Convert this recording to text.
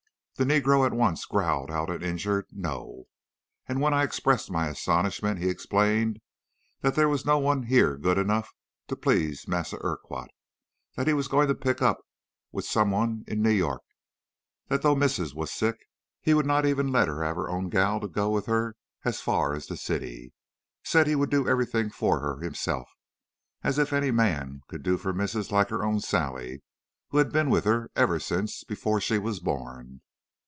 "The negro at once growled out an injured 'No!' and when I expressed my astonishment, he explained that 'There was no one here good enough to please Massa Urquhart. That he was going to pick up with some one in New York. That, though missus was sick, he would not even let her have her own gal go wid her as far as the city; said he would do everything for her hisself as if any man could do for missus like her own Sally, who had been wid her ever since 'fore she was born!'